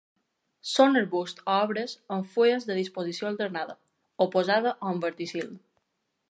Són arbusts o arbres amb fulles de disposició alternada, oposada o en verticil.